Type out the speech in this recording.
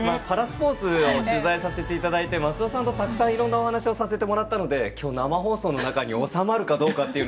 パラスポーツを取材させていただいて増田さんとたくさんいろんなお話をさせてもらったので今日、生放送の中に収まるかどうか。